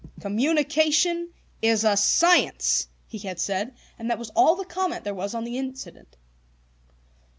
"Communication is a science!" he had said, and that was all the comment there was on the incident.